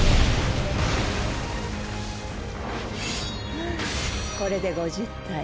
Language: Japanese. ふぅこれで５０体。